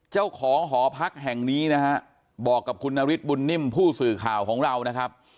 เจ้าของหอพักแห่งนี้นะฮะบอกกับคุณนฤทธบุญนิ่มผู้สื่อข่าวของเรานะครับ